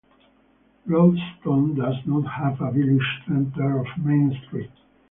Broadstone does not have a village centre or main street.